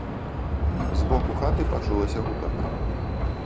З боку хаты пачулася гутарка.